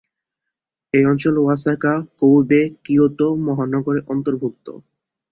এই অঞ্চল ওসাকা-কোওবে-কিয়োতো মহানগরের অন্তর্ভুক্ত।